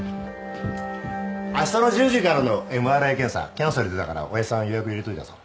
あしたの１０時からのＭＲＩ検査キャンセル出たから親父さん予約入れといたぞ。